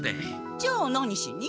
じゃあ何しに？